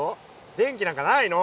電気なんかないの。